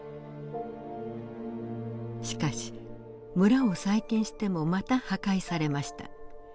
しかし村を再建してもまた破壊されました。